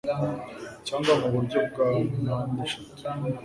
Cyangwa muburyo bwa mpandeshatu